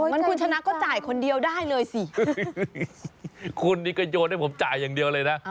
มันคุณชนะก็จ่ายคนเดียวได้เลยสิคุณนี่ก็โยนให้ผมจ่ายอย่างเดียวเลยนะ